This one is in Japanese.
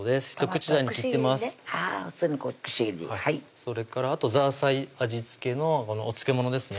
それからあとザーサイ味つけのこのお漬物ですね